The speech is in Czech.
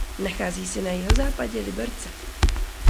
Nachází se na jihozápadě Liberce.